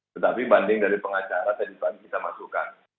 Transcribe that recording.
tetapi banding dari pengacara tadi pagi kita masukkan